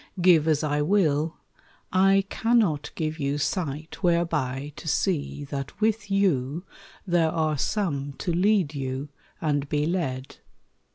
Give as I will, I cannot give you sight Whereby to see that with you there are some To lead you, and be led.